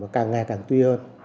càng ngày càng tuyên